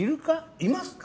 いますか？